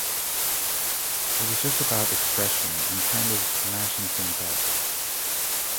It was just about expression and kind of mashing things up.